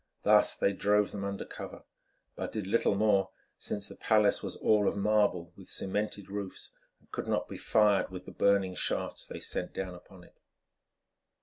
Thus they drove them under cover, but did little more, since the palace was all of marble with cemented roofs, and could not be fired with the burning shafts they sent down upon it.